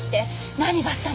何があったの？